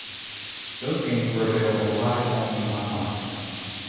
Those games were available live only online.